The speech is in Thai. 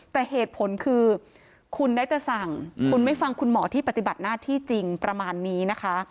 แต่เหตุผลคือคุณได้แต่สั่งคุณไม่ฟังคุณหมอที่ปฏิบัติหน้าที่จริงประมาณนี้นะคะ